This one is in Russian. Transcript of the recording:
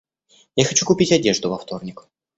Я хочу купить одежду во вторник.